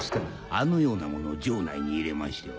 あのような者を城内に入れましては。